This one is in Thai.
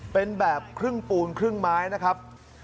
เป็นแบบครึ่งปูนครึ่งไม้นะครับ